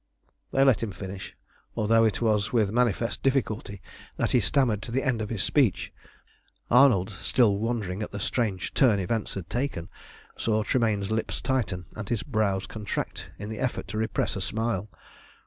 They let him finish, although it was with manifest difficulty that he stammered to the end of his speech. Arnold, still wondering at the strange turn events had taken, saw Tremayne's lips tighten and his brows contract in the effort to repress a smile.